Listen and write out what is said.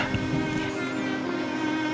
tapi kita nggak boleh menyerah